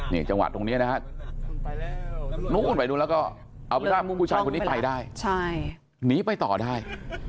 นี่จังหวะตรงนี้นะฮะนู้นไปดูแล้วก็เอาเป็นว่าผู้ชายคนนี้ไปได้หนีไปต่อได้